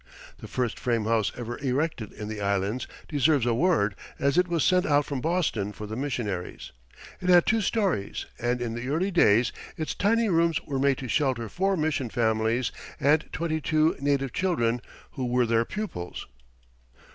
The first frame house ever erected in the Islands deserves a word, as it was sent out from Boston for the missionaries. It had two stories, and in the early days its tiny rooms were made to shelter four mission families and twenty two native children, who were their pupils.